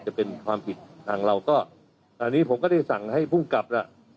จะเป็นความผิดทางเราก็อันนี้ผมก็ได้สั่งให้ภูมิกลับแล้ว